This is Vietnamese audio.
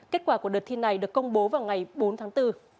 kết quả của đợt thi này được công bố vào ngày bốn tháng bốn